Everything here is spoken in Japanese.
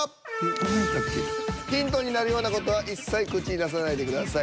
ヒントになるような事は一切口に出さないでください。